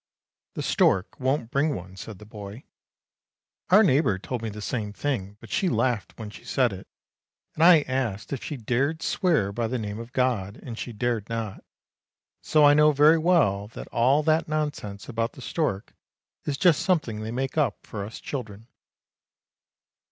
' The stork won't bring one,' said the boy; ' our neigh bour told me the same thing, but she laughed when she said it, and I asked if she dared swear by the name of God, and she dared not, so I know very well that all that nonsense about the stork is just something they make up for us children!